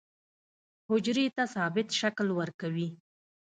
حجرې ته ثابت شکل ورکوي.